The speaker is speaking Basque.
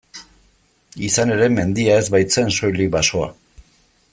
Izan ere, mendia ez baitzen soilik basoa.